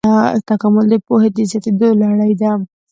تکامل د پوهې د زیاتېدو لړۍ ده.